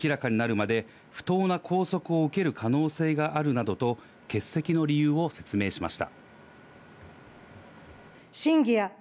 事実が明らかになるまで不当な拘束を受ける可能性があるなどと欠席の理由を説明しました。